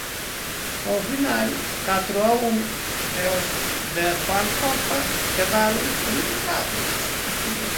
Ao final, catro a un, e os de Juan Copa quedaron eliminados.